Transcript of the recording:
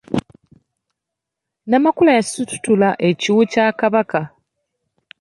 Namakula y’asitula ekiwu kya Kabaka.